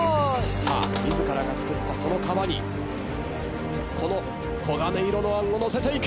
さあ自らが作ったその皮にこの黄金色のあんを載せていく！